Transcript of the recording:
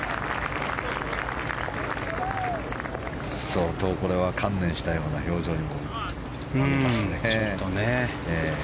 相当、これは観念したような表情にも見えましたね。